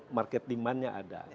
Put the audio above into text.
market limanya ada